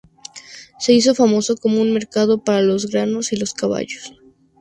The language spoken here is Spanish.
Se hizo famoso como un mercado para los granos y los caballos.